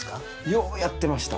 ようやってました。